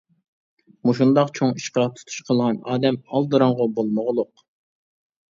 مۇشۇنداق چوڭ ئىشقا تۇتۇش قىلغان ئادەم ئالدىراڭغۇ بولمىغۇلۇق.